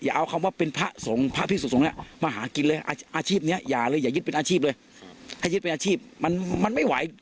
อย่าเอาคำว่าประพธิกษาปศูนย์มาหากินเลยมีอาจเป็นอาชีพนี่อย่าเละยินเป็นอาชีพเลย